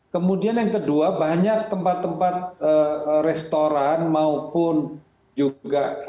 kemudian yang kedua banyak tempat tempat restoran maupun juga